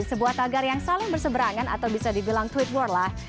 sebuah tagar yang saling berseberangan atau bisa dibilang tweet war lah